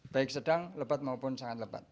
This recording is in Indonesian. baik sedang lebat maupun sangat lebat